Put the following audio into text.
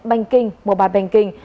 banh kinh mobile banking